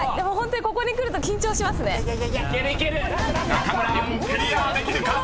［中村アンクリアできるか？］